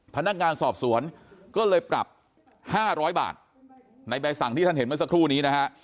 พนักงานสอบสวนก็เลยปรับ๕๐๐บาทในใบสั่งที่ท่านเห็นเมื่อสักครู่นี้นะฮะ